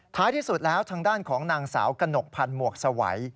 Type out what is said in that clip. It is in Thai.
ที่สุดแล้วทางด้านของนางสาวกระหนกพันธ์หมวกสวัย